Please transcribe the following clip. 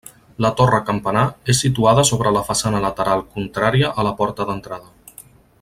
La torre campanar és situada sobre la façana lateral contrària a la porta d'entrada.